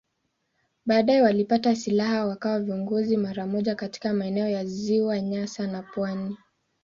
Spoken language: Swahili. Baadaye walipata silaha wakawa viongozi mara moja katika maeneo ya Ziwa Nyasa na pwani.